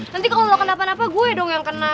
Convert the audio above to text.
nanti kalau lo kena apa apa gue dong yang kena